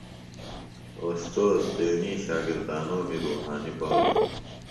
اوستوذ تیݨی شاگردانومی روحانی بابو۔